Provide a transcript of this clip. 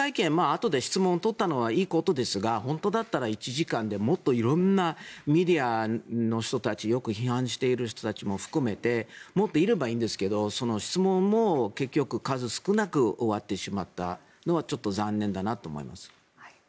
あとで質問を取ったのはいいことですが本当だったら１時間でもっと色んなメディアの人たちよく批判している人たちも含めてもっといればいいんですが質問も結局数少なく終わってしまったのはちょっと残念だなと思います。